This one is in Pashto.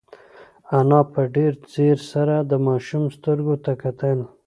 انا په ډېر ځير سره د ماشوم سترګو ته وکتل.